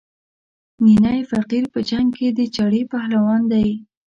نینی فقیر په جنګ کې د چړې پهلوان دی.